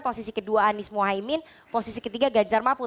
posisi kedua anies mohaimin posisi ketiga ganjar mahfud